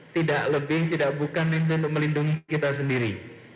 tidak lebih tidak bukan itu untuk melindungi kita sendiri